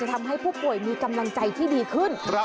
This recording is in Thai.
ทำให้ผู้ป่วยมีกำลังใจที่ดีขึ้น